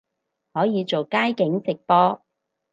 可以做街景直播